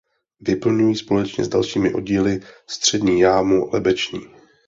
Vyplňují společně s dalšími oddíly střední jámu lebeční.